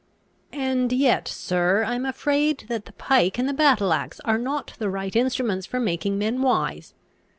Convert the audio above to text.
"And yet, sir, I am afraid that the pike and the battle axe are not the right instruments for making men wise.